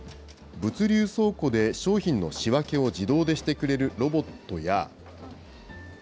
物流倉庫で商品の仕分けを自動でしてくれるロボットや。